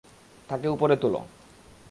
তাকে উপরে তোলো।